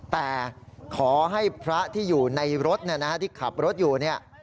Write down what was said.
แต่ขอให้พระที่อยู่ในรถที่ขับรถอยู่เนี่ย